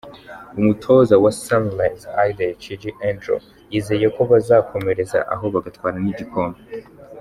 Umutoza wa Sunrise Ideh Chidi Andrew, yizeye ko bazakomereza aho bagatwara n’igikombe.